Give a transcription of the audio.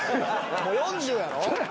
・もう４０やろ？